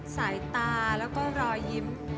สายตาแล้วก็รอยยิ้ม